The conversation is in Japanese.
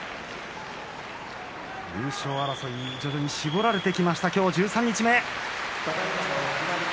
優勝争い、徐々に絞られてきました、今日十三日目。